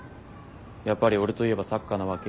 「やっぱり俺といえばサッカーなわけ？」